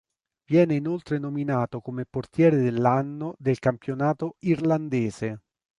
Viene inoltre nominato come portiere dell'anno del campionato irlandese.